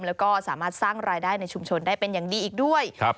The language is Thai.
แล้วก็สามารถสร้างรายได้ในชุมชนได้เป็นอย่างดีอีกด้วยครับ